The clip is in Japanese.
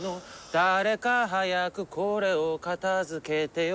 「誰か早くこれを片付けてよ」